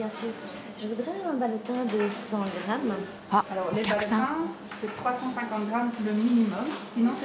あっお客さん。